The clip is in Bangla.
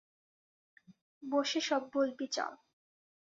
বসে সব বলবি চল।